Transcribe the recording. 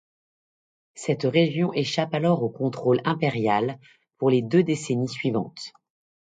Cette région échappe alors au contrôle impérial pour les deux décennies suivantes.